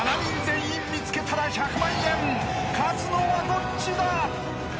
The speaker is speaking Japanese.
［勝つのはどっちだ！？］